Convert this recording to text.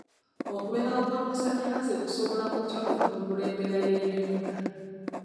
Okubeerawo kw'amasannyalaze kusobola kutya okutumbula embeera y'ebyenfuna?